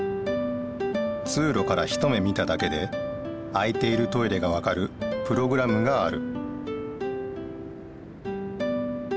つうろから一目見ただけで空いているトイレがわかるプログラムがある。